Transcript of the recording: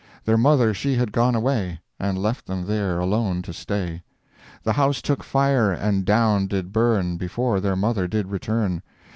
Their mother she had gone away, And left them there alone to stay; The house took fire and down did burn, Before their mother did return.